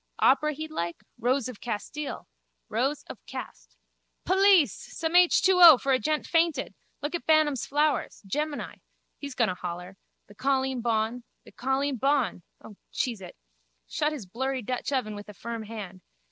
Opera he'd like? Rose of Castile. Rows of cast. Police! Some H2O for a gent fainted. Look at Bantam's flowers. Gemini. He's going to holler. The colleen bawn. My colleen bawn. O, cheese it! Shut his blurry Dutch oven with a firm hand.